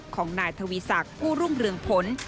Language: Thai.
ของนายทวีศักดิ์ผู้รุ่งเรืองผล